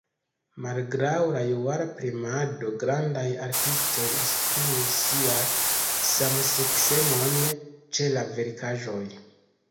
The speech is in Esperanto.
Malgraŭ la jura premado, grandaj artistoj esprimis sian samseksemon ĉe la verkaĵoj.